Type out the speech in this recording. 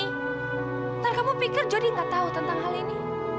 nggak kamu pikir jodi nggak tahu tentang hal ini